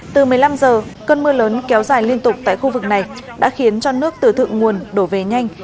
từ một mươi năm h cơn mưa lớn kéo dài liên tục tại khu vực này đã khiến cho nước từ thượng nguồn đổ về nhanh